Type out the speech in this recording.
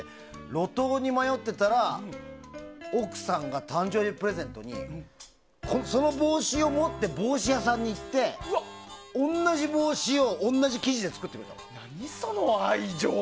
路頭に迷ってたら、奥さんが誕生日プレゼントにその帽子を持って帽子屋さんに行って同じ帽子を同じ生地で作ってくれたの。